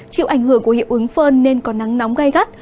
chịu ảnh hưởng của hiệu ứng phơn nên có nắng nóng gai gắt